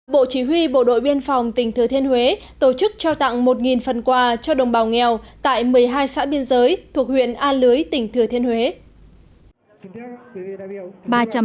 bộ chỉ huy bộ đội biên phòng tỉnh thừa thiên huế tổ chức trao tặng một phần quà cho đồng bào nghèo tại một mươi hai xã biên giới thuộc huyện a lưới tỉnh thừa thiên huế